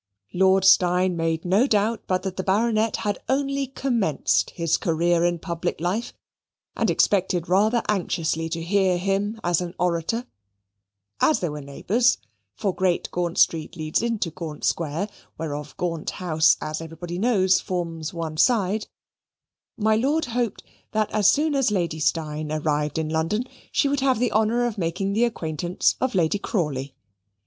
Lord Steyne made no doubt but that the Baronet had only commenced his career in public life, and expected rather anxiously to hear him as an orator; as they were neighbours (for Great Gaunt Street leads into Gaunt Square, whereof Gaunt House, as everybody knows, forms one side) my lord hoped that as soon as Lady Steyne arrived in London she would have the honour of making the acquaintance of Lady Crawley.